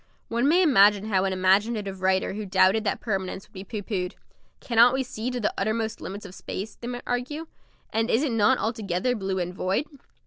One may imagine how an imaginative writer who doubted that permanence would be pooh poohed. "Cannot we see to the uttermost limits of space?" they might argue, "and is it not altogether blue and void?"